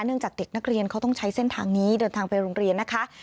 จากเด็กนักเรียนเขาต้องใช้เส้นทางนี้เดินทางไปโรงเรียนนะคะ